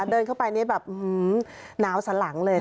เดินเข้าไปนี่แบบหนาวสลังเลย